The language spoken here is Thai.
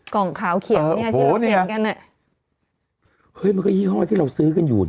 กล่องขาวเขียงมันก็ยี่ห้อที่เราซื้อกันอยู่